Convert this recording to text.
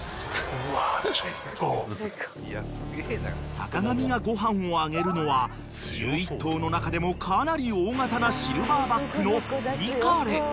［坂上がご飯をあげるのは１１頭の中でもかなり大型なシルバーバックの］